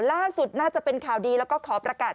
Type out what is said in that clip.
ล่าสุดน่าจะเป็นข่าวดีแล้วก็ขอประกาศ